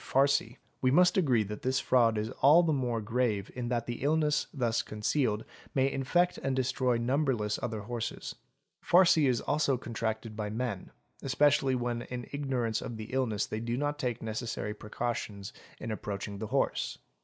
farcy), we must agree that this fraud is all the more grave in that the illness thus concealed may infect and destroy number less other horses. Farcy is also contracted by men, especially when in ignorance of the illness they do not take necessary precautions in approaching the horse.